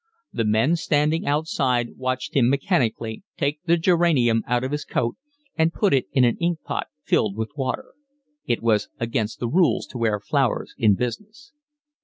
The men standing outside watched him mechanically take the geranium out of his coat and put it in an ink pot filled with water. It was against the rules to wear flowers in business.